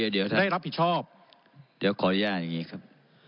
เดี๋ยวจะได้รับผิดชอบเดี๋ยวขออนุญาตอย่างนี้ครับ